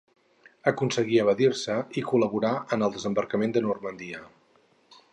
Aconseguí evadir-se i col·laborà en el desembarcament de Normandia.